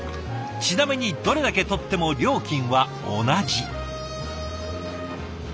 ちなみにどれだけ取っても料金は同じ。